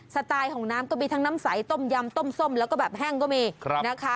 สไตล์ของน้ำก็มีทั้งน้ำใสต้มยำต้มส้มแล้วก็แบบแห้งก็มีนะคะ